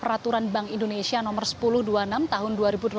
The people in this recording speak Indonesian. pertama adalah peraturan bank indonesia nomor seribu dua puluh enam tahun dua ribu delapan